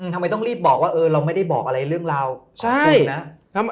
ทำไมต้องรีบบอกว่าเราไม่ได้บอกอะไรเรื่องราวของคุณนะ